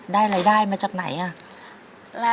รายได้มาจากไหนอ่ะ